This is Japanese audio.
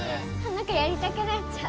なんかやりたくなっちゃう。